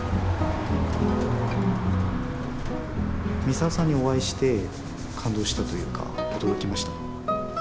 ミサオさんにお会いして感動したというか驚きました。